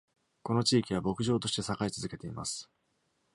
この地域は牧場として栄え続けています。